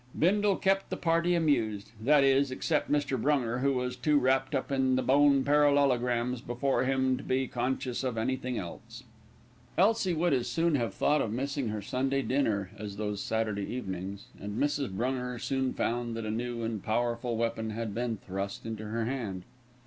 Bindle kept the party amused, that is, except Mr. Brunger, who was too wrapped up in the bone parallelograms before him to be conscious of anything else. Elsie would as soon have thought of missing her Sunday dinner as those Saturday evenings, and Mrs. Brunger soon found that a new and powerful weapon had been thrust into her hand.